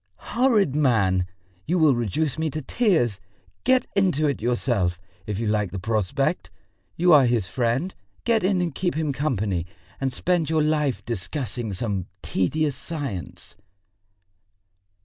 "Horrid man! You will reduce me to tears! Get into it yourself, if you like the prospect. You are his friend, get in and keep him company, and spend your life discussing some tedious science...."